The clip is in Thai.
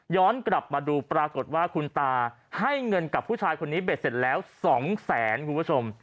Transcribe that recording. กลับมาดูปรากฏว่าคุณตาให้เงินกับผู้ชายคนนี้เบ็ดเสร็จแล้ว๒แสนคุณผู้ชม